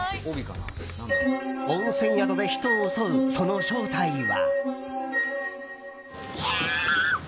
温泉宿で人を襲うその正体は。